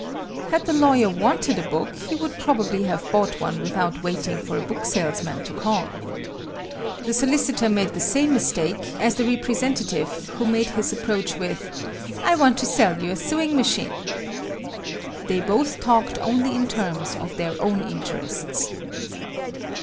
Had the lawyer wanted a book he would probably have bought one without waiting for a book salesman to call. The solicitor made the same mistake as the representative who made his approach with: "I want to sell you a sewing machine." They both talked only in terms of their own interests.